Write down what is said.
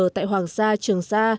tại hoàng sa trường sa